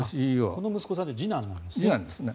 この息子さんって次男なんですね。